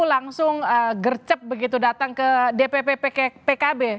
langsung gercep begitu datang ke dpp pkb